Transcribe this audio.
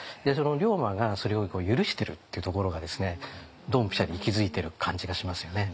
龍馬がそれを許してるっていうところがドンピシャリ息づいてる感じがしますよね。